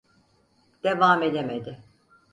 Devam edemedi.